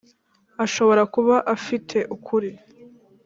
ashobora kuba afite ukuri.